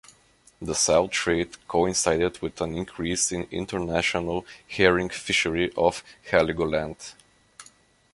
The salt trade coincided with an increase in international herring fishery off Heligoland.